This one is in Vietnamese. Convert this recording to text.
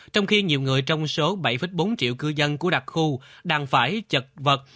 trong khi nhiều người trong số bảy bốn triệu cư dân của đặc khu đang phải chật vật